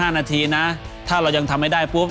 ๕นาทีนะถ้าเรายังทำไม่ได้ปุ๊บ